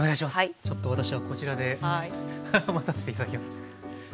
ちょっと私はこちらで待たせて頂きます。